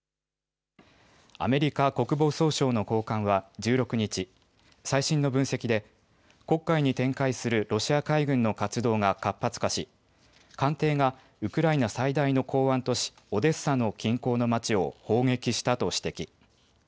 アメリカ国防総省の高官は１６日、最新の分析で黒海に展開するロシア海軍の活動が活発化し艦艇がウクライナ最大の港湾都市、オデッサの近郊の町を砲撃したと指摘。